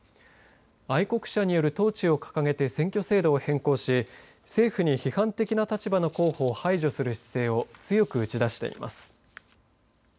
愛国者による統治を掲げて選挙制度を変更し政府に批判的な立場の候補を排除する姿勢を強く打ち出しています。